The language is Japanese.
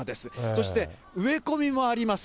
そして、植え込みもあります。